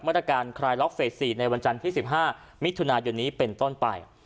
มาตรการคลายล็อกเฟส๔ในวันจันทร์ที่๑๕มิถุนายนนี้เป็นต้นไป